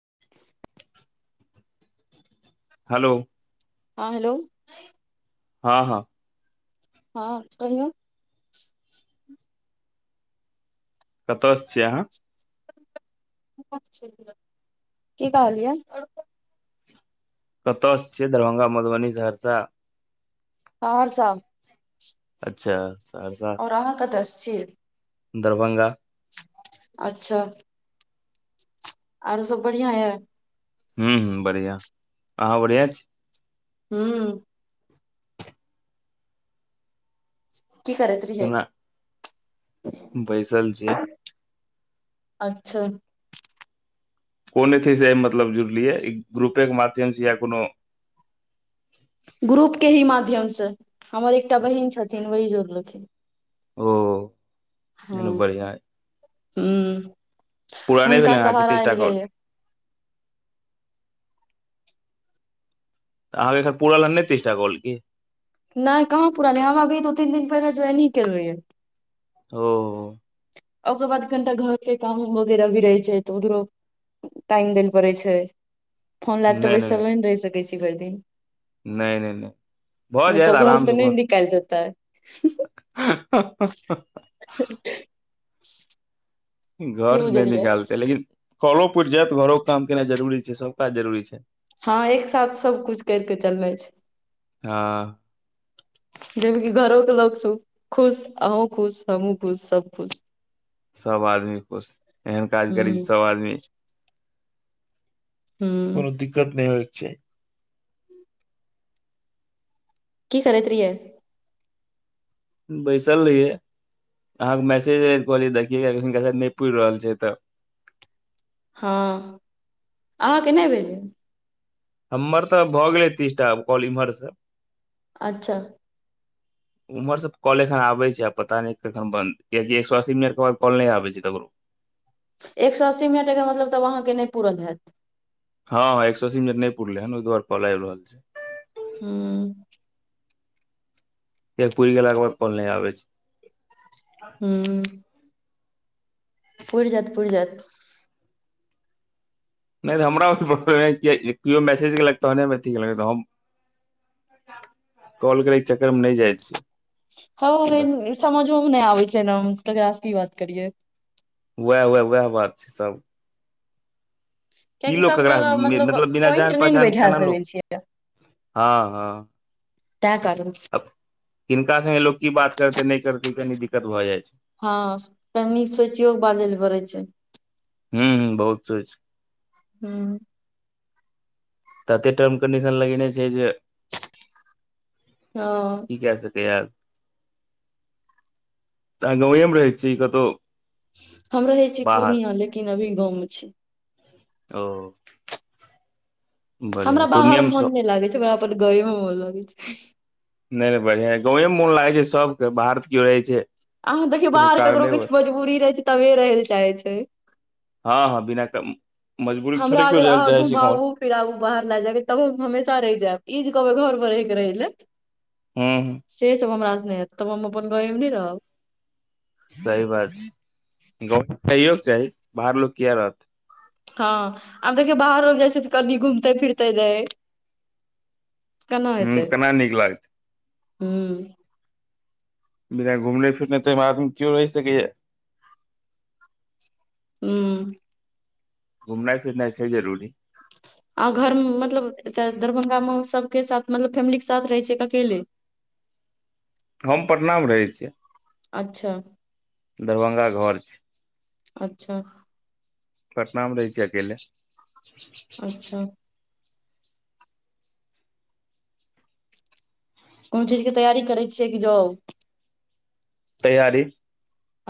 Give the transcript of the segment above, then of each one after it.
खालि हलोउ। हँ हेलोउ। हँ हँ। हँ कहियौ? कतऽ स छिय अहाँ? की कहलि यैय? कत स छियै दरभंगा, मधुबनी, सहरसा? सहरसा। अच्छा सहरसा स। कतऽ स छीये? दरभंगा। अच्छा। आर सब बढ़ियां यए। हूं हुं बढ़िआ अहाँ बढ़िआँ छी। हूॅं। की करैत रहियैय? केना बैसल छियै। अच्छा। कोन अथी से मतलब जुड़लियै ग्रुपे के माध्यम से या कोनो ग्रुप के ही माध्यम से हमर एकटा बहिन छथिन वहि जोड़लखिन। ओ। हु एना बढ़िआँ हुॅं पूरा नहि भेलै हुनका अहाँके सहारा तीसटा एलियै कॉल या। तऽ आहाँके अखन पूरहन नय तीस टा कॉल कि? नहि कहाँ पुरल हय हम अभी दू तीन दिन पहिने ज्वइन ही केले ही। ओ। ओकर बाद कनिटा घर के काम वगैरह भी रहै छै तऽ उधरो टाइम दै ल पड़ैत छै फोन लए क तऽ नहि नहि बैसल नय ने रहि सकैत छी भरि दिन। नहि नहि नहि भऽ नहि जायत त घर आराम से स नहि निकालि देतय। आंह हा हा हा हठ हीं की घर से नहि बुझलियै निकालतै लेकिन कलो पुरि जायत घरोे काम केनाइ जरूरी छै सब काज जरूरी छै। हँ एक साथ सब कुछ कैर के चलनाइ छै। हॅंऽ। खालि जामे कि घरो के लोग सब खुश अहूँ खुश हमू खुश सब खुश। सब आदमी खुश एहन काज हूँ करी जे सब आदमी हूँ कोनो दिक्कत नहि होइ चाही। की करैत रहियै? बैसल रहिये अहाँके मैसेज ऐल कहलिये देखिय हीनका शायद नहि पूइर रहल छै तऽ हँ अहाँके नहि भेल। हमर तऽ भऽ गेल तीस टा आब कॉल इम्हर स। अच्छा। उम्हर से ते कॉल एखन आबै छै आ पता नै कखन बन्द कियाकि एक सौ अस्सी मिनट के बाद कॉल नै आबै छै ककरो। एक सौ अस्सी मिनट एकर मतलब तब अहाँकेँ नै पुरल हेत। हां हां एक सौ अस्सी मिनट नै पुरले हन ओय दुआरे कॉल आएब रहल छै। हूँ। के पूर गेलाके बाद कोल नै आबै छै। हूं। पुर जैत, पुर जैत। नै त हमरा ओय सब पर [unintelligible] कियो मैसेज केलक तहने हम अथी केलौ नय त हम कॉल करै के चक्कर मे नै जाइ छियै। हां देख- लेकिन समझो मे नै आबै छै एना में ककरा से की बात करिए। वैह-वैह-वैह बात छै, सब की कियकि लोक सब ककरा जगह मतलब बिना जान पोइंट नै न पहचान के बैठा केना सकै लोक छियै। हँ हँ तै कारण से। किनका संगे लोक की बात करते नै करते कनि दिक्कत भऽ जाइ छै। हां कनि सोचियो बाजल पड़ै छै। हूं-हूं बहुत सोच हूं। तते टर्म कंडीशन लगैने छै जे हां। की कै सके यै त अहां गंवै में रहै छीयै की कतो हम रहै छी पूर्णिया लेकिन अभी गाँव मे छी। ओ। हमरा बढ़िया बाहर पूर्णिया मे में मोन सब नै लागै छै, हमरा अपन गाँवे मे मौन लागै छै। नै नै बढ़िया यै गाँवे मे मोन लागै छै सबके बाहर तै कियो जाए छै अहां देखियौ कोनो बाहर ककरो कारणे किछ बस मजबूरी रहै छै तबे रहय लै चाहे छै। हां-हां बिना कै मजबूरी के थोड़े कियो जाइ लै चाहै छै गाँव। फेर आबू बाहर लै जाए लै तब हम हमेशा रह जायब, ई जे कहबै घर में रह के रहै लै। हूं-हूं। से सब हमरा से नै हैत तब हम अपन गाँवे मे नै रहब। सही बात छै, गाँवे में रहेईयौ के चाही बाहर लोक किए रहतै। हां आब देखियौ बाहरो जाइ छै तऽ कनि घूमते फिरते नै। कना हूं हेतै केना नीक लागतै हूं। बिना घूमने फिरने तै में आदमी क्यो रह सकैयै? हूं। घूमनाइ-फिरनाइ छै जरूरी। आहां घर मतलब ऐता दरभंगा मे आहां सबके साथ मतलब फैमिली के साथ रहे छीयै की अकेले। हम पटनामे रहै छियै। दरभंगा घर छै अच्छा-अच्छा। पटना मे रहै छीयै अकेले। अच्छा। कुनु चीज के तैयारी करै छियै कि जॉब? तैयारी।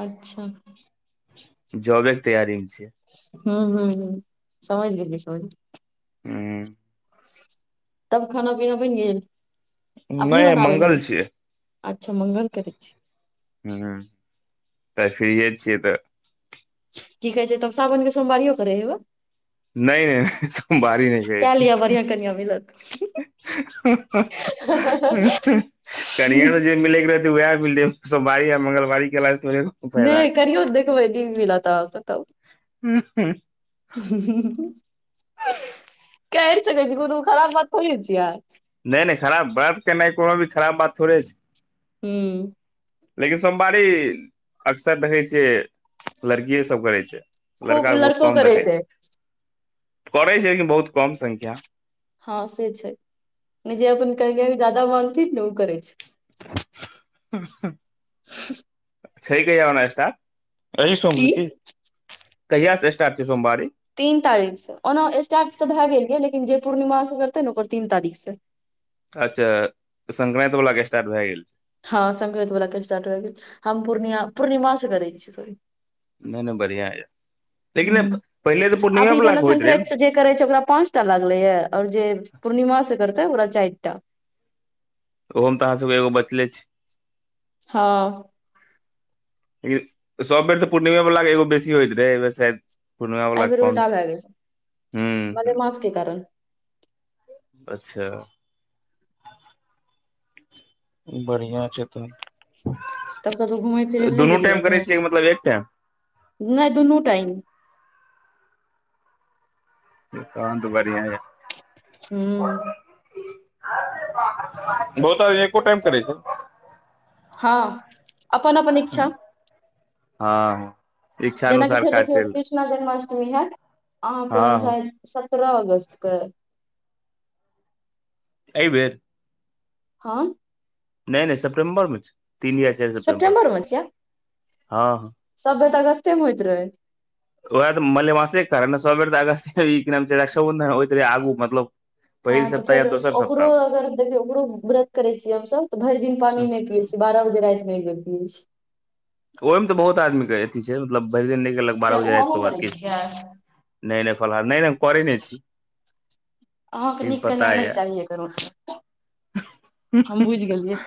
अच्छा। जॉबे के तैयारी मे छीयै। हूं-हूं-हूं समझ गेलिए, समझ गेलिए। हूँ। तब खाना - पीना बनि गेल? अपने नहि आइ बनाबै मंगल हेबै? छियै अच्छा मंगल करै छी। हूं हूं आइ फिरिये छियै तऽ की कहै छै तब साावन के सोमबारियो करै हेबै? नहि नहि सोमवारी केए लियऽ बढ़ियां कनियां मीलत। कनियां मे जे मिलै के वेएह मिलतै सोमबारी आ मंगलबारी केेला सॅं थोड़े नै फायदा छै करीयौ देखबै दिन मिले तऽ कतौ। नहि कहै छलै जे कोनो खराब बात थोड़े छियै। नै नै खराब बात करनाइ, कोनो भी खराब बात थोड़े छै। हू। लेकिन सोमवारी अक्सर देखै छियै लड़किये सब करै छै खूब लड़का के बहुत लड़को कम करै देखै छै छि। करै छै लेकिन बहुत कम संख्या। हँ से छै नै जे अपन कनियां क जादा मानथिन ने ओ करै छै। छै कहिया ओना स्टार्ट? अही सोम से की कि कहिया से स्टार्ट छै सोमवारी? तीन तारीक सँ ओना स्टार्ट तऽ भेए गेल ये लेकिन जे पूर्णिमा सँ करतै ने ओकर तीन तारीख से। अच्छा संक्रान्ति बला के स्टार्ट भेए गेल छै। हँ संक्रांति बला के स्टार्ट भेए गेल, हम पूर्णिया -पूर्णिमा से करै छी साॅरी। नै नै बढ़ियां यऽ लेकिन नै हूँ पहिले तऽ अभी पूर्णिये बला जेना के होइत रहै संक्रांति ने? से जे करै छै ओकरा पाँच टा लागलै ये और जे पूर्णिमा से करतै ओकरा चाइर टा। ओहो मे त अहाँ सबके एगो बचले अछि। हँ। लेकिन सब बेर त पूर्णिमे बला के एगो बेसी होइत रहै अइमे शायद। पुर्णिमा एहि बला क बेर कम उल्टा छै भए गेल हूं हूं। मलेमास के कारण अच्छा। बढ़ियां छै तहन तब कतौ घुमै फिरै लए नहि दुनू टाइम करै छियै कि मतलब एक टाइम? नै दुनू टाइम। तहन त बढ़ियाँ यऽ। हूं। बहुता य एको टाइम करै छै। हॅं अपन-अपन इच्छा। हॅं जेनाकि इच्छानुसार फेर काज देखियौ चेल कृष्णा जन्माष्टमी हेएत अहाँके हँ शायद सत्रह अगस्त के। अइ बेेर? हॅं। नै - नै सेप्टेम्बर मे छै तीन या चाइर सेप्टेम्बर मे छियै हॅं। सब बेर तऽ अगस्ते मे होइत रहै। ओएह त मलेमासे के कारण ने सब बेर त अगस्ते मे ई की नाम छै रक्षोबंधन होएत रहै आगू मतलब पहिल हॅं त सप्ताह या फेर दोसर ओकरो सप्ताह अगर देखियौ ओकरो ब्रत करै छियै हमसब तऽ भरि दिन पानी नै पियै छियै बारह बजे राइत मे एकबेर पियै छियै। ओइ मे तऽ बहुत आदमी के अथी छै मतलब भरि दिन नै खेलक बारह किया बजे ओ राइत अहूँ के बाद करै किछ छियै नै-नै फलहार नै-नै हम करै नै छी। अहाँके लेकिन नीक पता कनियां नै य चाही एकर मतलब हम बुझि गेलियै।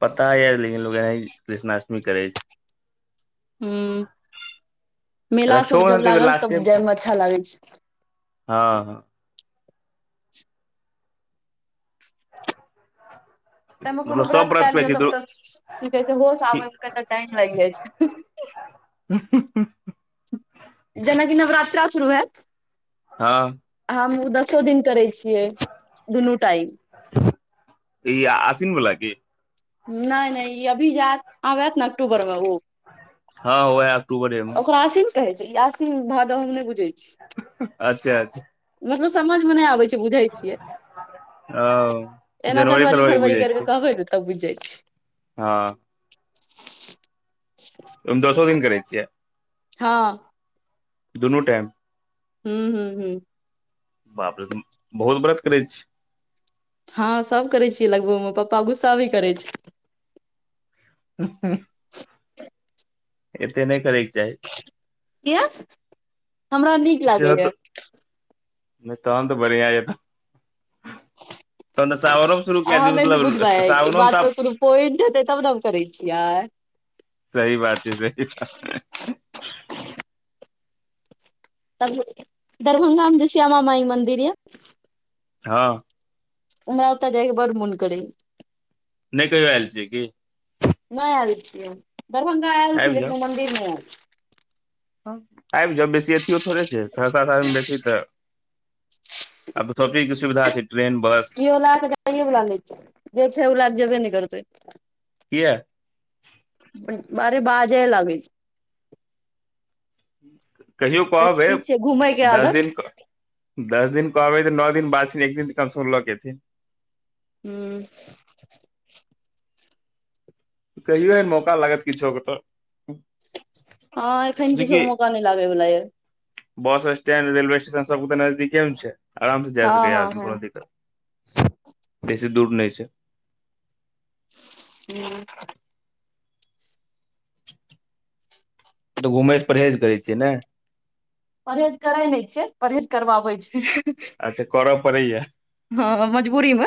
पता या लेकिन लूगाइ कृष्णाष्टमी करै छै। हूँ मेला सब जब रक्षोबंधन तऽ एहि बेर लागल लास्टे तब जाय छै मे अच्छा लागै छै। हँ हँ। ताहिमें कोनो मतलब सब व्रत कए करै लियो तब छै तऽ की कहै छै होश आबै मे कनी देर टाइम लागि जाय छै। ह [inaudible] ह [unintelligible] जेना कि नवरात्रा शुरू हैत। हँ। हम दसो दिन करै छियै दुनू टाइम। ई आसिन वला की? नै नै ई अभी जे एत आब एत न अक्टूबर में उ। हँ ओहै अक्टूबरे में। आसिन कहै छै ई आसिन भादब हम नै बुझै छी। अच्छा अच्छा। मतलब समझ में नै आबै छै। बुझै छियै ओ एना जनवरी फरवरी बुझै कैर कऽ छियै कहबै न तब बुइझ जाय छियै। हँ। ओय मं दसो दिन करै छियै? हँ। दुनू टाइम? हूं हूं हूं। बाप रे बहुत व्रत करै छी। हँ सब करै छियै लगभग म पप्पा गुस्सा भी करै छै। हं-हं एते नै करैके चाही। किया हमरा नीक लागैया। नै तहन तऽ बढ़िआँ यऽ। सावनो मे शुरू क अहाँ दियौ नै ने बुझबै मतलब के इ सावनो मे बात तऽ आब में कोनो पोइंट हेतै तब न हम करै छियै। सही बात छै सही तब दरभंगा में जे श्यामा माई मंदिर यए हँ। हमरा ओतऽ जाइके बड मोन करै यऽ। नै कहियो ऐल छियै की? नै ऐल छियै दरभंगा ऐल आबि छियै लेकिन ओ मन्दिर नै ऐल छी। आइब जाऊ बेसी अथियो थोड़े छै सहरसा स बेसी तऽ आब सबचीज के सुविधा छै। ट्रेन बस कियो ला कऽ जाइये वला नै छै जे छै उ ला कऽ जेबे नै करतै। किया? अरे बाजेए लगै छै। कहियौ कहबै कचकी छै घूमय के दस आदत दिन दस दिन कहबै तऽ नऽ दिन बाद त बाद एक दिन कमसँ कम लऽ एथिन। हूँ। कहियौ एहन मौका लागत किछो के त। हँ एखन किछो मौका नै लागै वला यय। बस स्टेंड रेलवे स्टेशन सबकत नजदीके मे छै। आराम से जै हँ सकैया हँ आदमी हँ कोनो दिक्कत बेसी दूर नै छै। हू। तऽ घुमै परहेज करै छियै नै। परहेज करै नै छियै परहेज करबाबै छै। अच्छा करऽ पड़ैया। हँ मजबूरी में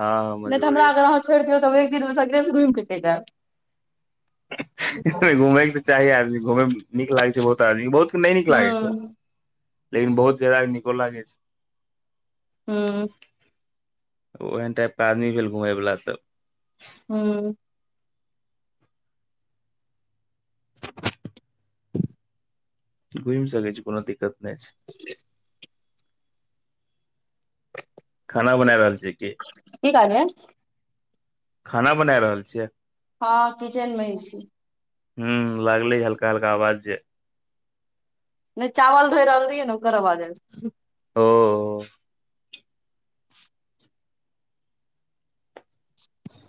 हँ तऽ हमरा मजबूरी अगर अहाँ छौइड़ दियौ तऽ हम एक दिन में सगरे सऽ घुइम कऽ चैल एब। घूमय के तऽ चाही आदमी घूमय में नीक लागे छै बहुत आदमी बहुत के नै नीक लागै छै हूँ लेकिन बहुत ज्यादा के निको लागै छै। हुं। ओहेन टाइप कऽ आदमी भेल घुमय वला सब। हूँ। घुइम सकै छी कोनो दिक्कत नै छै। [unintelligible] खाना बना रहल छी कि? की कहलियै? खाना बनाऽ रहल छियै? हाॅं किचेन में छी। हू लागले हल्का हल्का आवाज जे। नैं चावल धोइ रहल रहिए ने ओकर आबाज आबय छैं। ओ। [unintelligible]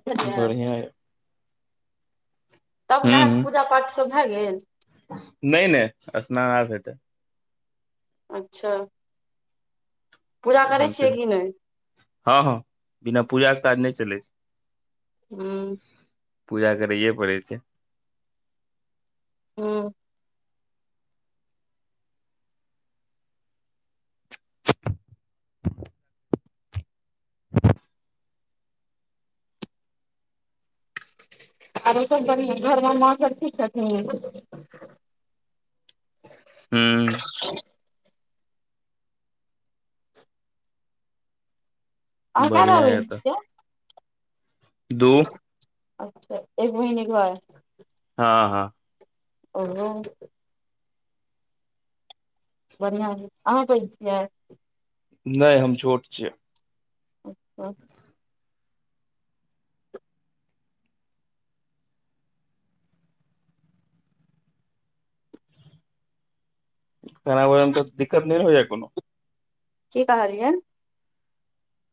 बुझलियै बढ़िआ एइ। तब नहा कऽ पूजा पाठ सब भए गेल। नय नय स्नान आब हेतैय। अच्छा। पूजा करै एखन छियै कि नहि सिर्फ हॅं हँ बिना पूजाके काज नहि चलै छै। हु। पूजा करैये पड़ै छै। हु। आरो सब बढ़िआ घरमे मे माँ सब ठीक छथिन। हूं अहाँ कए बढ़िआ रहबै य तऽ छियै दू एक बहिन एक भा। हाॅं हाॅं। ओहो। बढ़िआ एइ अहाँ पैघ छीयैय? नय हम छोट छियै। उह। खेनाइ बनबैय मे दिक्कत नै होइया कुनु। की कहलियै।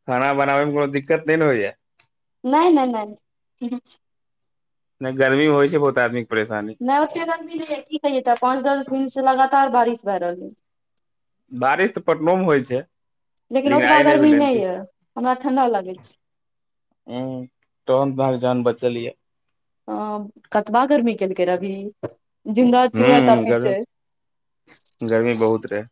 खाना बनाबे मे कोनो दिक्कत नै ने होइया। नै नै नै। नै गर्मी मे होइय छै बहुत आदमी के परेशानी। नै ओते गर्मी नै एइ की कहियै तऽ पाँच दस दिन से लगातार बारिश भए रहल अइ। बारिश तऽ पटनो मे होइ छै। लेकिन ओतबा गर्मी नहि ये, हमरा ठण्डा लगै छै। हुं तखन तऽ अहाॅंके जान बचल ये। हाॅं कतबा गरमी केलकैय रे अभी, दिन रात चुहे हूं काटैय गर्मी छैय। गर्मी बहुत रहै।